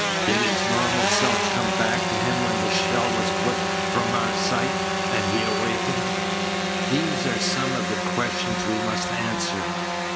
Did his normal self come back to him when the shell was put from our sight, and he awakened? These are some of the questions we must answer."